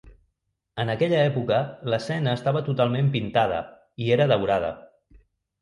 En aquella època l'escena estava totalment pintada i era daurada.